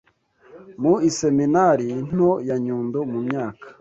mu Iseminari Nto ya Nyundo mu myaka